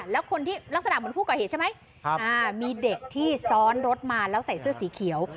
แล้วคนที่ลักษณะเหมือนผู้ก่อเหตุใช่ไหมมีเด็กที่ซ้อนรถมาแล้วใส่เสื้อสีเขียว